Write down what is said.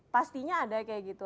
pastinya ada kayak gitu